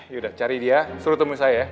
yaudah cari dia suruh temui saya ya